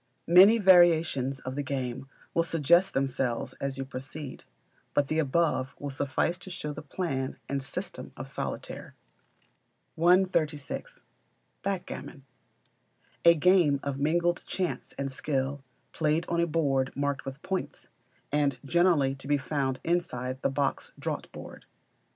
Many variations of the game will suggest themselves as you proceed; but the above will suffice to show the plan and system of Solitaire. 136. Backgammon. A game of mingled chance and skill, played on a board marked with points, and generally to be found inside the box draughtboard.